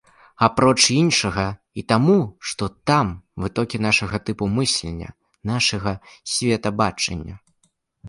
Апроч іншага і таму, што там вытокі нашага тыпу мыслення, нашага светабачання.